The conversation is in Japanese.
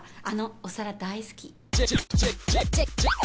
あのお皿大好き。